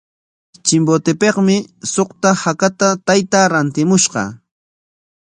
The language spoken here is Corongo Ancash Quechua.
Chimbotepikmi suqta hakata taytaa rantimushqa.